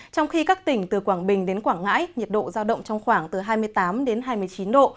trong khi các tỉnh từ quảng bình đến quảng ngãi nhiệt độ giao động trong khoảng từ hai mươi tám đến hai mươi chín độ